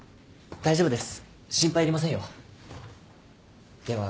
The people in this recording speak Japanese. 大丈夫です。